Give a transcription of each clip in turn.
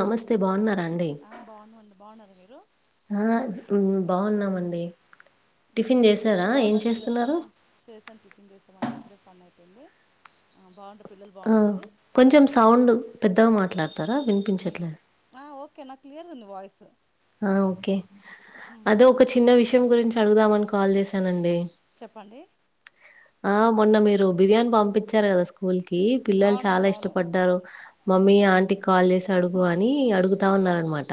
నమస్తే బావున ఆ బావున్నామండీ బావున్నారా మీరు ఆ హు బాగున్నామండి టిఫిన్ చెప్పండి చేసారా ఏం బావున్నారు పిల్ల చేస్తున్నారు చేసాను టిఫిన్ చేసామండి ఇప్పుడే పని అయిపోయింది పిల్లలు ఆ బాగున్నారండి కొంచెం సౌండ్ పెద్దగా మాట్లాడతారా వినిపించట్లేదు ఆ ఓకే నా క్లియర్ ఉంది వయిస్ ఆ ఓకే అదో ఒక చిన్న విషయం గురించి అడుగుదామని కాల్ చేశానండి చెప్పండి ఆ మొన్న మీరు బిర్యానీ పంపించారు కదా స్కూల్ కి కి పిల్లలు చాల అవునవునవును ఇష్టపడ్డారు ఆ మమ్మీ ఆంటీ కాల్ చేస అడుగు అని అడుగుతా ఉన్న అనమాట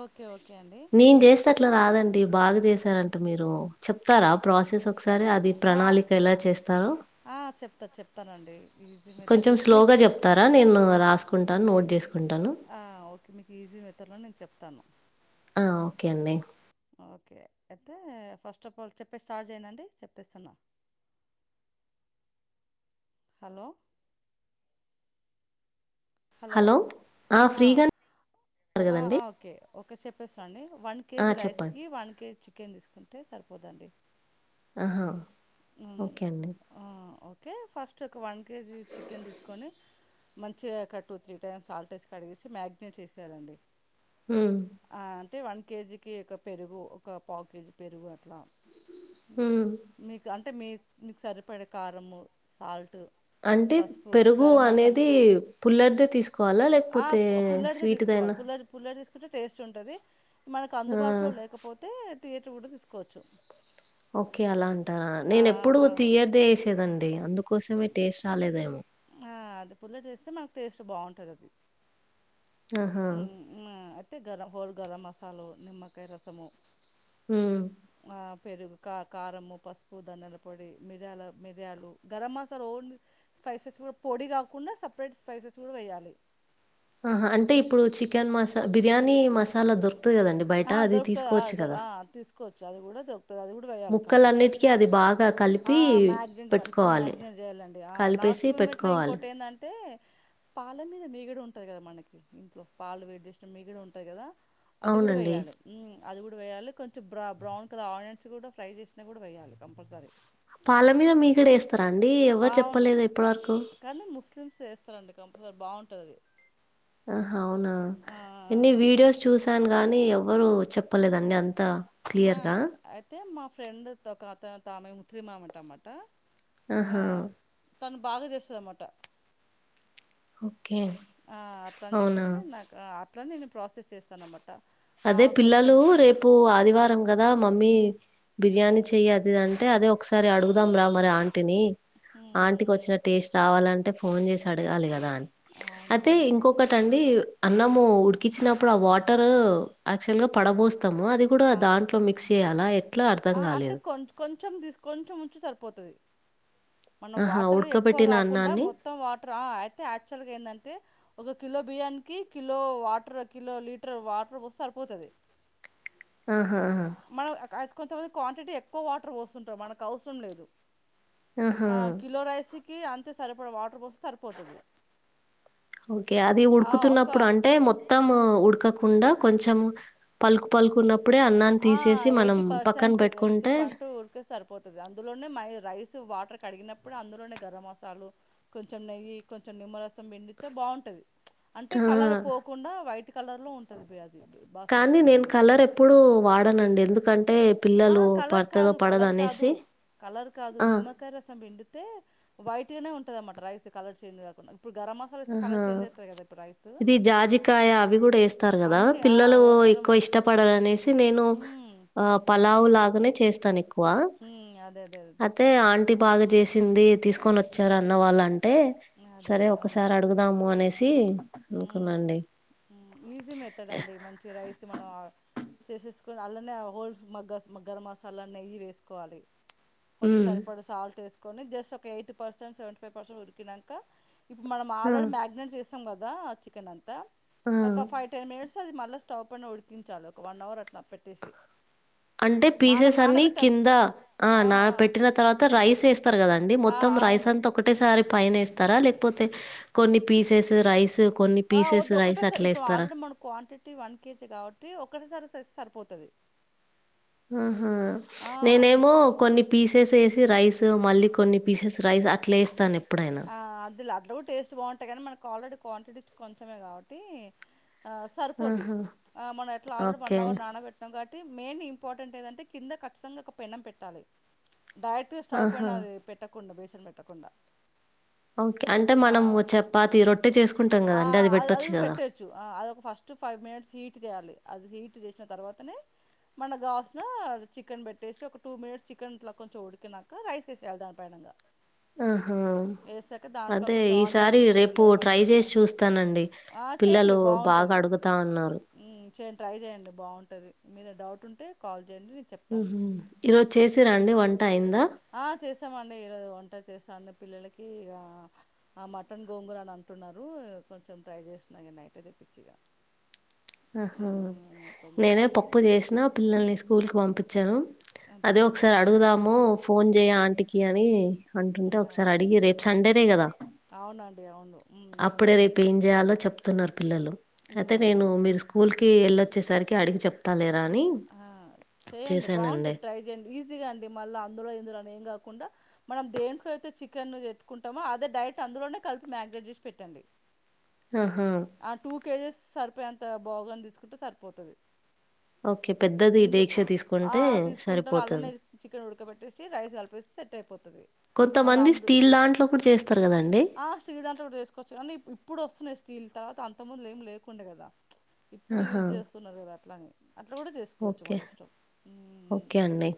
ఒకే ఒకే అండి అట్లా రాదండి బాగా చేసారంట మీరు చెప్తారా ప్రాసెస్ ఒకసారి అది ఆ ప్రణాళి ఆ చెప్తాను చెప్తానండి ఈజీ కొంచెం మెథడ్ మీకు స్లోగా చెప్తారా నేను రాసుకుంటాను నోట్ చెస్ ఆ ఒకే మీకు ఈజీ మెథడ్ లోనే నేను చెప్తాను ఆ ఓకే అండి ఓకే అయితే ఫస్ట్ ఆఫ్ ఆల్ చెప్పే స్టార్ట్ చేయంనంటే చెప్పేస్తున్నా. [inaudible] హలో హలో ఆ ఉన్నారు ఆ కదండి ఓకే ఓకే చెప్పేస్తాన్న అండి వన్ ఆ కేజీ చెప్పండి రైస్కి వన్ కేజీ చికెన్ తీసుకుంటే సరిపోతాది. ఆహా ఓకే అండి ఆ! ఓకే ఫస్ట్ ఒక వన్ కేజీ చికెన్ తీసుకొని మంచి కడుగు టూ త్రీ టైమ్స్ సల్ట్ వేసి కడిగేసి మ్యాగిననేట్ చేసేయాలండి. ఉ ఆ! అంటే వన్ కేజీకి ఒక పెరుగు ఒక పావు కేజీ పెరుగు అట్లా ఇంగ హ మీకు అంటే మీ మీకు సరిపడే కారము సాల్ట్ అంటే పెరుగు అనేది పుల్లరటిదే తీసుకోవాలా లేకపోతే స్వీట్దైనా పుల్ల పుల్లటిది తీసుకున్న కుంటే టేస్ట్ ఉంటుంది మనకు ఆ అందుబాటులో లేకపోతే తియ్యటిది కూడా తీసుకోవచ్చు. ఓకే అలా అంటరా ఆ, నేను ఎప్పుడు ఆ, ఆ. తీయటిదే వేసేదండి అందుకోసమే టేస్ట్ రాలేదేమో. ఆ అది పుల్లటిది వేస్తే మనకు టేస్ట్ బాగుంటుంది అది. ఆహా న్ అయితే హోల్ గర గరం మసాలా నిమ్మకాయ రసము ఉ ఆ, పెరుగు కా కారము పసుపు ధన్యాల పొడి మిరియాల మిరియాలు గరం మసాలా ఓన్లీ స్పైసెస్ కూడా పొడి కాకుండా సపరేట్ స్పైసెస్ కూడా వేయాలి. ఆహా అంటే ఇప్పుడు చికెన్ మసా బిర్యానీ మసాలా దొరకు తుది కదండి బయట అది తీసుకోవచ్చు కదా చది దూరుకు వేయాలి కంపల్సరి ముక్కలన్నిటికీ అది బాగా ఆ కలిపి మ్యాగ్నెట్ మంచి పెట్టుకోవాలి మాగ్నెట్ చేయాలండి లాస్ట్ కలిపేసి మూమెంట్ లో పెట్టుకోవాలి ఇంకోటి ఎందంటే పాల మీద మేగడ ఉంటది కదా మనకి ఇంట్లో పాలు వేడి చేసిన జస్ట్ మేగడ ఉంటది కదా. అదిగ కూడా అవునండి వెయ్యాాలి ఉమ్ అది కూడా వేయాలి కొంచెం బ్ర బ్రౌన్ కలర్ ఆనియన్స్ కూడా ఫ్రై చేసినా కూడా వేయాలి కంపల్సరీ. పాల మీద మీకడ వేస్తారా అండి ఎవ్వరు అవును చెప్పలేదే ఎప్పటి వరకు. కానీ ముస్లిమ్స్ చేస్తారండి బాగుంటది ఆహ అవునా ఆ ఆ ఎన్ని ఆ వీడియోస్ చూసాను కానీ ఎవ్వరు చెప్పలేదండి అంతా ఆ క్లియర్ అయితే మా ఫ్రెండ్ త అత తామె ముతిలిమామంట అన్నమాట ఆ, ఆహా తను బాగా చేస్తదన్నమాట ఓకే ఆ అట్లా అని అవునా చెప్పేసి నాకు అ అట్లా నేను ప్రాసెస్ చేస్తాను అనమాట. అదే పిల్లలు రేపు ఆదివారం కదా మమ్మీ ఉమ్ బిర్యానీ ఉమ్ చచేయ్ అది ఇది అంటే అదే ఒక్ ఒకసారి అడుగుదాం రా మరి ఆంటిని ఆంటికి వచ్చిన ఉమ్ టేస్ట్ రావాలన్ అంటే ఫోన్ చేసి అడగాలి కదా అ అయితే అవునవునండి ఇంకొకటి అండి ఉమ్ అన్నము ఉడికించిన ఇప్పుడు ఆ వాటర్ యాక్చువల్ గా పడబోస్ తాము అది కూడా ఆ దాంట్లో మిక్స్ చేయ్యాలా ఎట్లా అర్థం కాలేదు. కోచం తీసుకుని కోచం ఉంచి సరిపోతది మన మనం ఆహా వాటర్ ఎక్కువ ఉడకబెట్టిన కాకుండా అన్నాన్ని మొత్తం వాట్ ట్ర అయితే యాక్చువల్ గా ఏందంటే ఒక కిలో బియ్యానికి కిలో వాటర్ కిలో లీటర్ వా వాటర్ పోస్తే సరిపోతాది ఆహా ఆహా మనం కొంతమంది క్వాంటిటీ ఎక్కువ వాటర్ పోస్తుంటం మనకు అవసరం లేదు ఆ ఆహా కిలో రైస్కి అంతే సరిపడ వాటర్ పోస్తే సరిపోతుంది ఓకే అది ఆ, ఒక ఉడుకుతున్నప్పుడు అంటే మొత్తం ఉడకక కుండా కొంచెం పలుకు పలుకున్న ఆ ఎయిటీ పర్సెంట్ ఎయి పెట్టుకుంటే పట్ ఊరికే సరిపోతుది అందులోనే రైస్ వాటర్ కడిగినప్పుడు అందులోనే గరం మసాలు కొంచెం నెయ్యి కొంచెం నిమ్మరసం పిండితే బాగుంటుంది అంటే ఆ! కలర్ పోకుండా వైట్ కలర్ లో ఉంటది వ్యాధి కానీ నేను కలర్ ఎప్పుడుూ వాడనండి ఎందుకంటే పిల్ల ఆహా కలర్ కాదు కలర్ కాదు కలర్ కాదు ఆ! నిమ్మకాయ రసం పిండితే వైట్గానే ఉంటు దమాట రైస్ కలర్ చేంజ్ కాకుండా ఇప్పుడు గరం మసాలా వేస్తే కలర్ ఆహా చేంజ్ అవుతది కదా ఇప్పుడు రైస్ ఇది జాజికాయ అవి కూడా వేస్తారు కదా అన్ని ఆ పిల్లలు హోల్గరం ఎక్కువ మసులు ఇష్టపడాలనేసి నేను ఉమ్ ఆ ప అ లావులగానే చేస్తాను ఎక్కువ ఉమ్ అదే అదే అదే ఐతే ఆంటీ బాగా చేసింది తీసుకొని వచ్చారు అన్న వాళ్ళ అంటే అదే సరే అదే ఓ అవును ఒకసారి అడుగుదాము అనేసి అనుకున్న మ్మ్ అండి ఈజీ మెతడ్ అండి మంచి రైస్ మనం చేసేసుకొని అల్లనే హోల్ మగ్గ గరం మసాలాన్నెయ్యేసుకోవాలి కొంచెం ఉమ్ సరిపడ సాల్ట్ వేసుకొని జస్ట్ ఒక eight percent seventy five percent ఉడికినంక ఇప్పుడు మనం ఆ ఆల్రెడీ మ్యాగినేట్ చేసాం కదా చికెన్ అంతా ఆ ఒక ఫైవ్ టెన్ మినట్స్ అది మళ్ళీ స్టవ్ పైన ఉడికించాలి వన్ అవర్ అట్ల పెట్టేసి అంటే నాన పీసెస్ అన్ని నానబెట్టాం కింద ఆ నా పెట్టిన తర్వాత రైస్ వేస్తారు కదాండి ఆ ఆ మొత్తం రైస్ అవును అంతా ఒకటేసారి పైన ఏస్తారా లేకపోతే కొన్ని పీసెస్ రైస్ కొన్ని ఆ పీసెస్ వద్దు రైస్ ఒకటేసారి అట్లా ఇప్పుడు వేస్తారా ఆల్రెడీ మన క్వాంటిటీ వన్ కేజీ కాబట్టి ఒకటేసారే సేస్తరు పొ తది ఆహా నేనేమో కొన్ని పీస్ పేసి రైస్ మళ్ళీ కొన్ని పీసెస్ రైస్ అట్ల వేస్త నేను ఆ అద్దుల అట్ల కూడా టేస్ట్ బాగుంటాయి కానీ మనకు ఆల్రెడీ క్వాంటిటీ కొంచమే కాబట్టి సరిపోద్ది ఆహా మనం ఎట్ల ఆల్రెడీ వన్ అవర్ ఓకే నానబెట్టినం కాబట్టి తే మెయిన్ ఇంపార్టెంట్ ఏంటంటే కింద ఖచ్చితంగా ఒక పెనం పెట్టాలి డైరెక్ట్గా స్టవ్ పైన అది పెట్టకుండా బేషన్ పెట్టకుండా ఓకే. అంటే మనము చపాతీ, రొట్టె చేసుకుంటాం ఆ గదండీ! అది అదఅది పెట్టొచ్చు కూడా గదా! పెట్టచ్చు ఆ అదొక first two five minutes heat చేయాలి అది హీట్ చేసిన తర్వాతనే మనకా గాస్ చికెన్ పెట్టేసి ఒక టూ మినిట్స్ చికెన్ ఇట్ల కొంచెం ఉడికినంక రైస్ వేసేయాలి దానిపైనంగా హ హ వేసాక దాంట్లో అదే కొంచెం ఈసారి ఆనియన్స్ రేపు లెమన్ ట్రై చేసి చూస్తానండి ఆ చేయండి పిల్లలు బాగా బాగుంటది అడుగుతాన్నారు చేయండి ట్రై చేయండి బాగుంటది మీద డౌట్ ఉంటే కాల్ చేయండి నేను చెప్తాను ఉహు ఈరోజు చేసిర్రాండి వంట అయిందా ఆ చేశామండి ఈరోజు వంట చేసాను పిల్లలకి ఆ మటన్ గోంగూర అని అంటున్నారు కొంచెం ట్రై చేసిన నైట్ అయితే పిచ్చిగా ఆహా అట్లని చెప్పి నేనే పప్పు చేసింది చేసినా పిల్లల్ని స్కూల్కి పంపించాను అదే అంతేనండి ఒకసారి ఇగ అడుగుదాము ఫోన్ చేయ్ ఆంటికి అని అంటుంటే ఆ ఒకసారి ఓకే అడిగి రేపు సండేనే కదా అవునండి అవును ఉమ్ ఉమ్ అప్పుడే ఉమ్ రేపు ఏం చేయాలో చెప్తున్నారు పిల్లలు అయితే నేను ఉమ్ మీరు స్కూల్ ల్ కి ఎల్ళొచ్చేసరికి అడిగి చెప్తా లే ఆ చేయండి బాగుంటది ట్రై చేయండి ఈజీగా అండి మళ్ళీ అందులో ఇందులోని ఏం కాక్ కుండా మనం దేంట్లో అయితే చికెన్ ఎత్తుకుంటామో అదే డైరక్ట్ అందులోనే కలిపి మ్యాగినేట్ చేసి పెట్టండి ఆహా! ఆ టూ కేజెస్ సరిపోయేంత బొగాని తీసుకుంటే సరిపోతది ఓకే. పెద్దది ఇందు డేక్ష ఆ తీసుకుంటే తీసుకుంటా అల్లనే సరిపోతది. చికెన్ ఉడకబెట్టేసి రైస్ కలిపి సెట్ అయిపోతది మళ్ళా కొంతమంది అందు స్టీల్ దాంట్లో కూడా చేస్తారు కదండీ! ఆ స్టీల్ దాంట్లో కూడా చేసుకోవచ్చు కాని ఇప్పుడు వస్తున్నాయి స్టీల్ తర్వాత అంతముందు ఏం లేకుండే కదా ఇప్పుడు ఆహా! యూజ్ చేస్తున్నారు కదా అట్లనే అట్ల కూడా చేసుకోవచ్చు ఓకే. మన ఇష్టం ఊ ఓకే అండి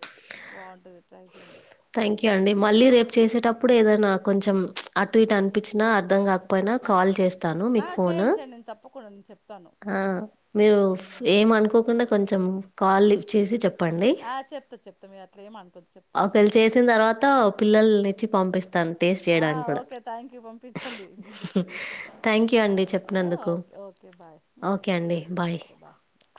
చేయండి థ్యాంక్ యూ ఉమ్ అండి మళ్ళీ ఆ రేపు చేసేటప్పుడు ఏదైనా కొంచెం అటు ఇటు అనిపించినా అర్థం కాకపోయినా కాల్ చేస్ తను మీకు ఆ ఫోన్ చేయండి చేయండి నేను తప్పకుండా నేను చెప్తాను ఆ మీరు ఫ్ ఏం అనుకోకుండా కొంచెం కాల్ లిఫ్ట్ చేసి చెప్ ఆ చెప్తా చెప్తా మీరు అట్ల ఏమనుకోవద్దు చెప్తాను నేను కంపల్సరీ చి పంపిస్ తను టేస్ట్ ఆ చేయడానికి కూడా ఓకే చేయడానికి. థ్యాంక్ యూ పంపించండి ఇంక చేస్తాం థ్యాంక్ యూ అండి చెప్పినందుకు okay bye okay take care bye bye